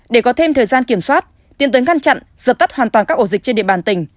để có thêm thời gian kiểm soát tiến tới ngăn chặn dập tắt hoàn toàn các ổ dịch trên địa bàn tỉnh